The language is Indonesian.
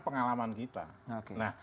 ini adalah kegunaan kita